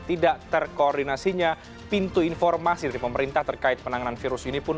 tidak terkoordinasinya pintu informasi dari pemerintah terkait penanganan virus ini pun